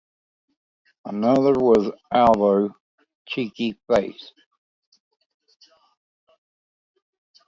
Another was 'allo, cheeky face!